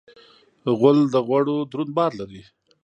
غول د غوړو دروند بار لري.